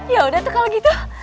yaudah tuh kalau gitu